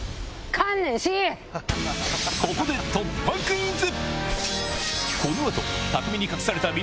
ここで突破クイズ！